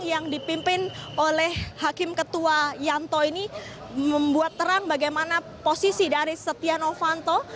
yang dipimpin oleh hakim ketua yanto ini membuat terang bagaimana posisi dari setia novanto